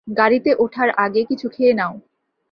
গাড়িতে উঠার আগে কিছু খেয়ে নাও।